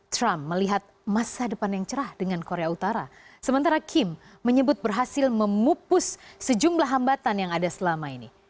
trump melihat masa depan yang cerah dengan korea utara sementara kim menyebut berhasil memupus sejumlah hambatan yang ada selama ini